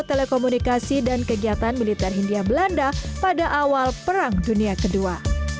telekomunikasi dan kegiatan militer hindia belanda pada awal perang dunia ii